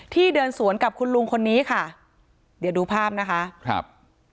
เดินสวนกับคุณลุงคนนี้ค่ะเดี๋ยวดูภาพนะคะครับ